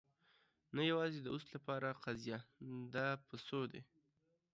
نه، یوازې د اوس لپاره قضیه. دا په څو دی؟